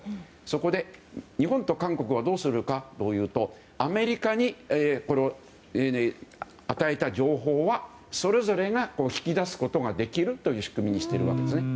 そこで、日本と韓国はどうするかというとアメリカに与えた情報はそれぞれが引き出すことができるという仕組みにしています。